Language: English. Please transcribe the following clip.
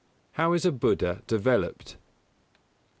How is a Buddha developed? A.